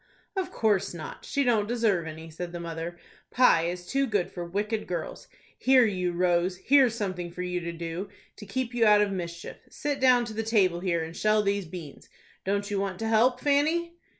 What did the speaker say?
"Of course not. She don't deserve any," said the mother. "Pie is too good for wicked girls. Here, you Rose, here's something for you to do, to keep you out of mischief. Sit down to the table here, and shell these beans. Don't you want to help, Fanny?"